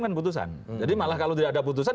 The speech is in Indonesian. kan putusan jadi malah kalau tidak ada putusan